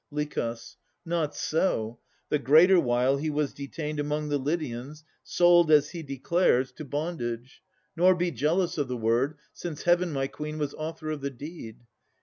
LICH. Not so. The greater while he was detained Among the Lydians, sold, as he declares, To bondage. Nor be jealous of the word, Since Heaven, my Queen, was author of the deed.